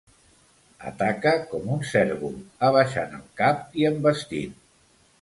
Ataca com un cérvol, abaixant el cap i envestint.